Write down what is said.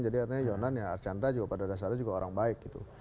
jadi artinya archandra pada dasarnya juga orang baik gitu